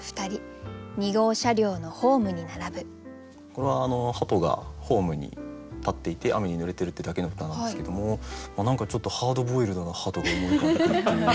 これは鳩がホームに立っていて雨に濡れてるってだけの歌なんですけども何かちょっとハードボイルドな鳩が思い浮かんでくるっていう。